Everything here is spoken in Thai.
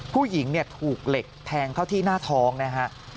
ผู้หญิงถูกเหล็กแทงเข้าที่หน้าท้องนะฮะ